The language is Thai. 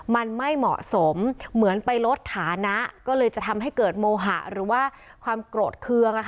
มันไม่เหมาะสมเหมือนไปลดฐานะก็เลยจะทำให้เกิดโมหะหรือว่าความโกรธเคือง